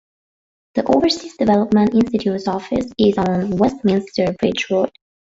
The Overseas Development Institute's office is on Westminster Bridge Road.